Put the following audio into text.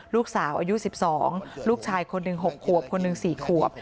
ลูกสาวอายุ๑๒ลูกชายคนหนึ่ง๖ขวบคนหนึ่ง๔ขวบ